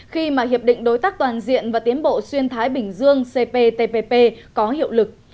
khi mà hiệp định đối tác toàn diện và tiến bộ xuyên thái bình dương cptpp có hiệu lực